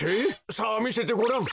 さあみせてごらん！